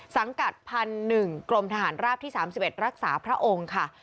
สังกัด๑กรมทหารราบที่๓๑รักษาพระองค์ค่ะ